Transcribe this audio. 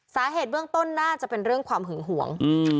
สาเหตุเบื้องต้นน่าจะเป็นเรื่องความหึงหวง